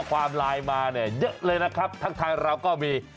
ขอบความไลน์มาเยอะเลยนะครับทักทายเราก็มี